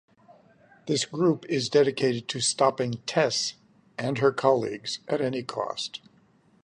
This group is dedicated to stopping Tess and her colleagues at any cost.